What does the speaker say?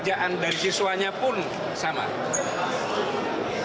sehingga tidak perlu saya jelaskan